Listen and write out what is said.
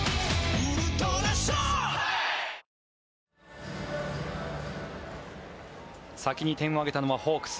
続く先に点を挙げたのはホークス。